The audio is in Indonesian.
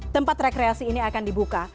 tempat rekreasi ini akan dibuka